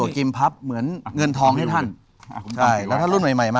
คืออันนี้